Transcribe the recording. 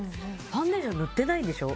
ファンデーション塗ってないんでしょ。